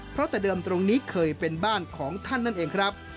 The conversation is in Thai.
เพราะแต่เดิมตรงนี้เคยเป็นบ้านของท่านนั่นเองครับ